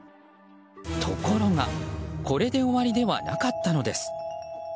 ところがこれで終わりではなかったのです。